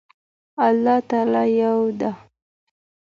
الله تعالی يو ده